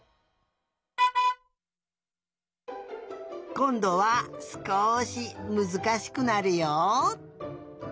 こんどはすこしむずかしくなるよ。